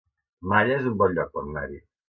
Malla es un bon lloc per anar-hi